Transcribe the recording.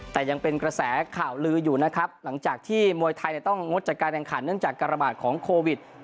แต่ยังเป็นกระแสข่าวลืออยู่นะครับหลังจากที่มวยไทยต้องงดจัดการแข่งขันเนื่องจากการระบาดของโควิด